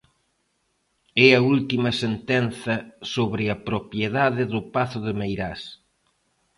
É a última sentenza sobre a propiedade do pazo de Meirás.